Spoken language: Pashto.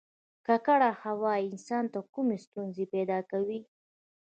ککړه هوا انسان ته کومې ستونزې پیدا کوي